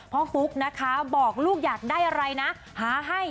ฟุ๊กนะคะบอกลูกอยากได้อะไรนะหาให้